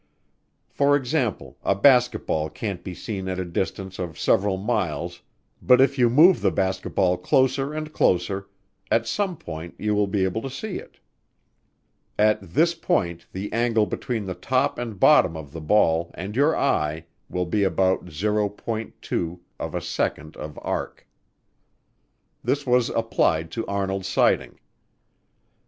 For example, a basketball can't be seen at a distance of several miles but if you move the basketball closer and closer, at some point you will be able to see it. At this point the angle between the top and bottom of the ball and your eye will be about 0.2 of a second of arc. This was applied to Arnold's sighting.